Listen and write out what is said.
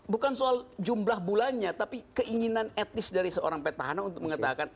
bukan soal jumlah bulannya tapi keinginan at least dari seorang peta hana untuk mengatakan